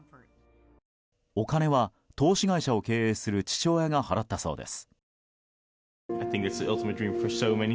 お金は投資会社を経営する父親が払ったそうです。